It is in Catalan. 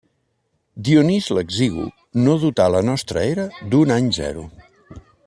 Dionís l'Exigu no dotà la nostra era d'un any zero.